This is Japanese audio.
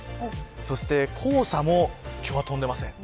そして黄砂も今日は飛んでいません。